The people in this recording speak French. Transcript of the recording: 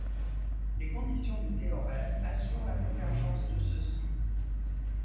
Les conditions du théorème assurent la convergence de ceux-ci.